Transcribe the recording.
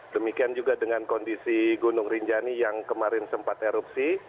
demikian juga dengan kondisi gunung rinjani yang kemarin sempat erupsi